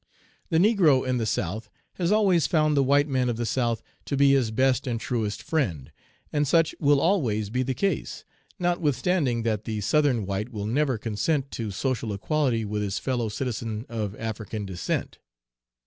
The negro in the South has always found the white man of the South to be his best and truest friend, and such will always be the case, notwithstanding that the Southern white will never consent to social equality with his fellow citizen of African descent.